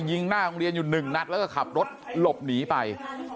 หน้าโรงเรียนอยู่หนึ่งนัดแล้วก็ขับรถหลบหนีไป